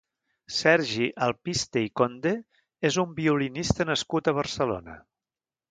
Sergi Alpiste i Conde és un violinista nascut a Barcelona.